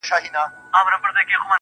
ځوان په لوړ ږغ,